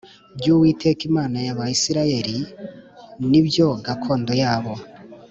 By uwiteka imana y abisirayeli ni byo gakondo yabo